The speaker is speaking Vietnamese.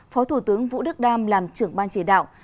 phó thủ tướng vũ đức đam làm trưởng ban chỉ đạo